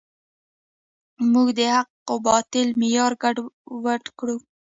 موږ د حق و باطل معیار ګډوډ کړی.